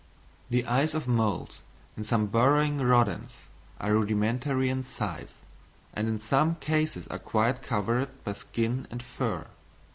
The eyes of moles and of some burrowing rodents are rudimentary in size, and in some cases are quite covered by skin and fur.